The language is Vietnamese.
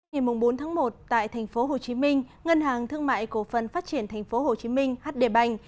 ngày bốn tháng một tại tp hcm ngân hàng thương mại cổ phần phát triển tp hcm hd bành